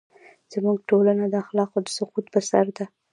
زموږ ټولنه د اخلاقو د سقوط پر سر ده.